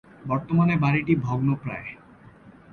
বর্তমানে বাড়িটি ভগ্নপ্রায়।